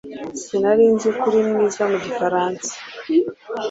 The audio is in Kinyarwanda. Sinari nzi ko uri mwiza mu gifaransa